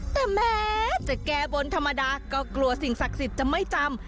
แต่แม้จะแก้บนธรรมดาก็กลัวสิ่งศักดิ์สิทธิ์จะไม่จำ